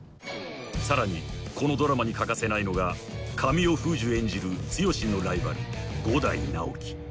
［さらにこのドラマに欠かせないのが神尾楓珠演じる剛のライバル伍代直樹］